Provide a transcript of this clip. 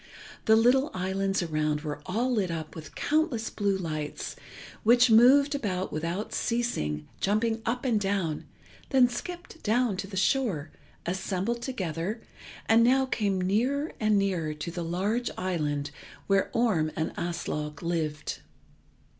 The little islands around were all lit up with countless blue lights, which moved about without ceasing, jumped up and down, then skipped down to the shore, assembled together, and now came nearer and nearer to the large island where Orm and Aslog lived.